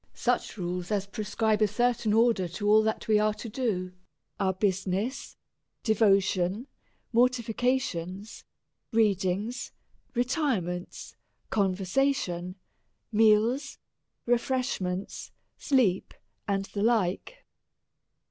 Such rules as prescribe a certain order to ail that we are to do, our business, devotion, morti fications, readings, retirements, conversation, meals, refreshments, sleep, and the like.